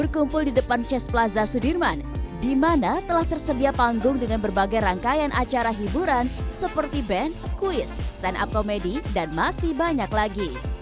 berkumpul di depan chess plaza sudirman di mana telah tersedia panggung dengan berbagai rangkaian acara hiburan seperti band kuis stand up komedi dan masih banyak lagi